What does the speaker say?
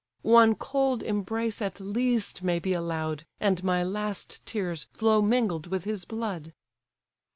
One cold embrace at least may be allow'd, And my last tears flow mingled with his blood!"